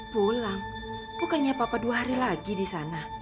pulang bukannya papa dua hari lagi di sana